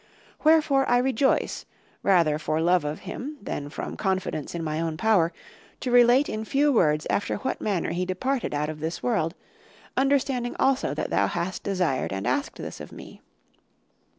Wherefore I rejoice, rather for love of him than from confidence in my own power, to relate in few words after what manner he departed out of this world, understanding also that thou hast desired and asked this of me.